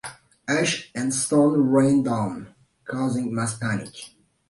Ash and stone rain down, causing mass panic.